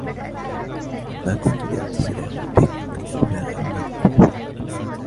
ما كنت لأتصل بك لولا أن الأمر مهم.